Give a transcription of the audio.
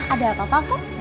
ada apa pak